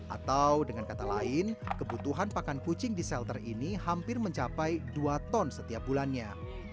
atau dengan kata lain kebutuhan pakan kucing di shelter ini hampir mencapai dua ton setiap bulannya